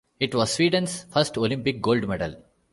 It was Sweden's first Olympic gold medal.